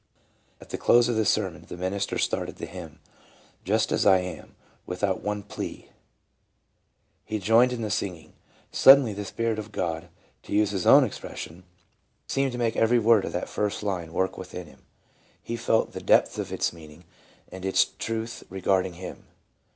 At the close of the sermon the minister started the hymn, " Just as I am, without one plea." 1 He joined in the sing ing. Suddenly the Spirit of God — to use his own expression — seemed to make every word of that first line work within him. He felt the depth of its meaning and its truth regard ing him.